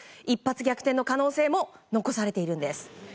一発逆転の可能性も残されているんです。